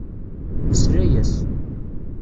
Nesla-as.